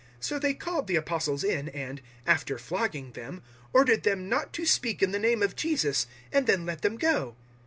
So they called the Apostles in, and after flogging them ordered them not to speak in the name of Jesus, and then let them go.